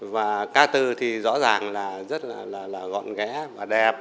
và ca từ thì rõ ràng là rất là gọn ghé và đẹp